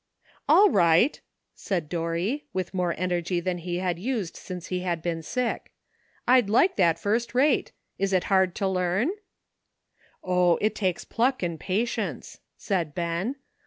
341 «' All right," said Dorry, with more energy than he had used since he had been sick. "I'd like that first rate. Is it hard to learn? " "Oh! it takes pluck and patience,'* said Ben.